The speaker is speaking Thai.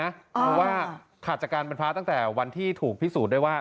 เพราะว่าขาดจากการเป็นพระตั้งแต่วันที่ถูกพิสูจน์ได้ว่า